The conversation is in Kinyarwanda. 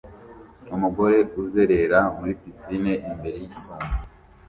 Umugore uzerera muri pisine imbere yisumo